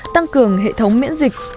tăng cường hệ thống miễn dịch